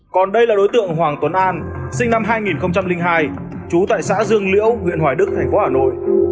còn đây là đối tượng hoàng tuấn an sinh năm hai nghìn hai trú tại xã dương liễu huyện hoài đức thành phố hà nội